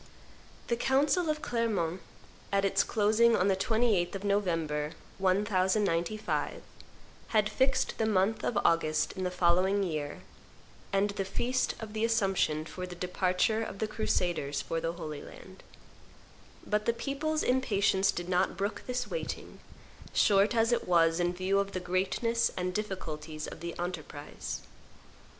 [Illustration: Crusaders on the March 386] The Council of Clermont, at its closing on the 28th of November, 1095, had fixed the month of August in the following year, and the feast of the Assumption, for the departure of the crusaders for the Holy Land; but the people's impatience did not brook this waiting, short as it was in view of the greatness and difficulties of the enterprise.